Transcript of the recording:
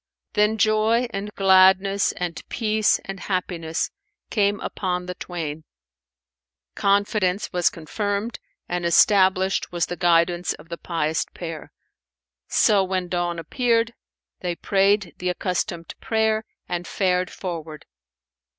Then joy and gladness and peace and happiness came upon the twain; confidence was confirmed and established was the guidance of the pious pair. So when dawn appeared, they prayed the accustomed prayer and fared forward.